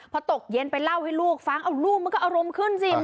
พอตกเย็นไปเล่าให้ลูกฟังเอาลูกมันก็อารมณ์ขึ้นสิ